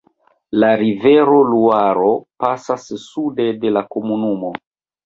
La rivero Luaro pasas sude de la komunumo.